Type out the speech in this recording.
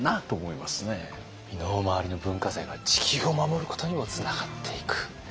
身の回りの文化財が地球を守ることにもつながっていく。